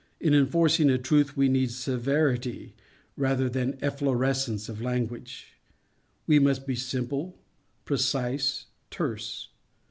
In enforcing a truth we need severity rather than efflorescence of language. We must be simple, precise, terse.